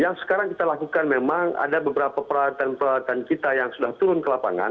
yang sekarang kita lakukan memang ada beberapa peralatan peralatan kita yang sudah turun ke lapangan